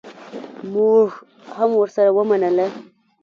مونږ هم ورسره ومنله.